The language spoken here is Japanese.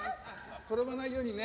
転ばないようにね。